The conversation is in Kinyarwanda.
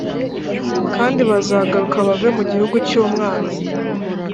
kandi bazagaruka bave mu gihugu cy umwanzi